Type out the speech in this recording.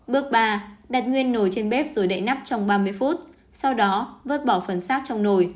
bước ba đặt nguyên nồi trên bếp rồi đậy nắp trong ba mươi phút sau đó vớt bỏ phần sát trong nồi